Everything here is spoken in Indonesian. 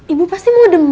ibu pasti mau demam